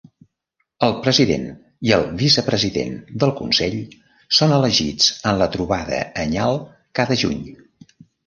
El president i el vicepresident del consell són elegits en la trobada anyal cada juny.